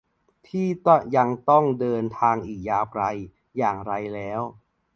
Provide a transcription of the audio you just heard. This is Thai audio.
ที่ยังต้องเดินทางอีกยาวไกล อย่างไรแล้ว